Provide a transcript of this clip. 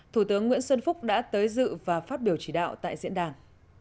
thủ tướng nguyễn xuân phúc đã tới dự và phát biểu chỉ đạo tại diễn đàn